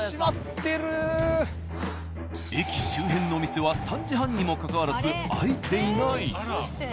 駅周辺のお店は３時半にもかかわらず開いていない。